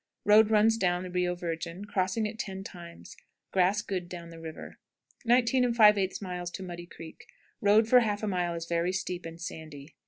Road runs down the Rio Virgin, crossing it ten times. Grass good down the river. 19 5/8. Muddy Creek. Road for half a mile is very steep and sandy.